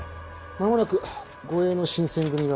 間もなく護衛の新選組が。